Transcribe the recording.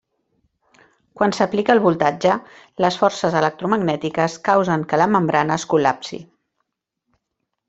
Quan s'aplica el voltatge, les forces electromagnètiques causen que la membrana es col·lapsi.